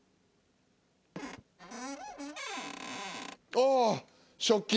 ああ食器。